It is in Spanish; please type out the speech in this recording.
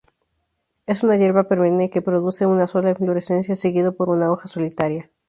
Es una hierba perenne que produce una sola inflorescencia, seguido por una hoja solitaria.